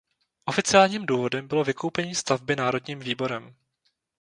Oficiálním důvodem bylo vykoupení stavby národním výborem.